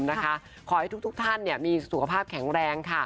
ขอให้ทุกท่านมีสุขภาพแข็งแรงค่ะ